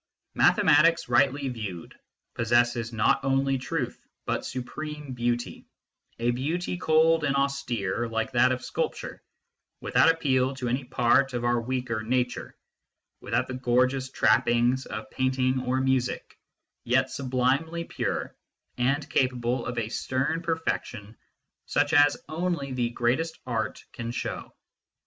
Mathematics, rightly viewed, possesses not only truth, but supreme beauty a beauty cold and austere, like that of sculpture, without appeal to any part of our weaker nature, without the gorgeous trappings of paint ing or music, yet sublimely pure, and capable of a stern perfection such as only the greatest art can show.